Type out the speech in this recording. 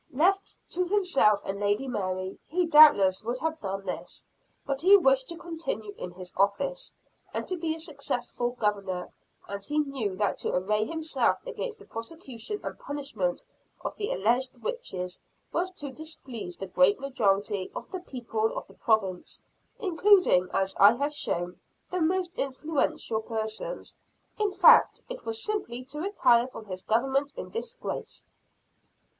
Left to himself and Lady Mary, he doubtless would have done this; but he wished to continue in his office, and to be a successful Governor; and he knew that to array himself against the prosecution and punishment of the alleged witches was to displease the great majority of the people of the province; including, as I have shown, the most influential persons. In fact, it was simply to retire from his government in disgrace.